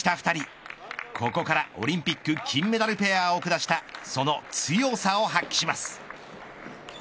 ２人ここからオリンピック金メダルペアを下したその強さを発揮します。